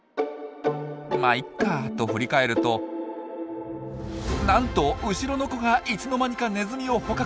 「まっいいか」と振り返るとなんと後ろの子がいつの間にかネズミを捕獲！